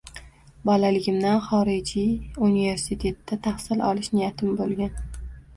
Bolaligimdan xorijiy universitetda tahsil olish niyatim bo‘lgan.